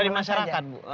dari masyarakat bu